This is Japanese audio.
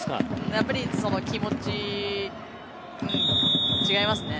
やっぱり気持ちが違いますね。